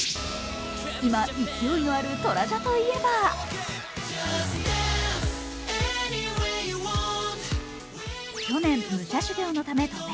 今、勢いのあるトラジャといえば去年、武者修行のため渡米。